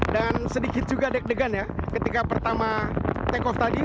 dan sedikit juga deg degan ya ketika pertama take off tadi